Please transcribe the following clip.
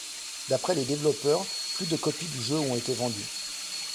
D'après les développeurs, plus de copies du jeu ont été vendues.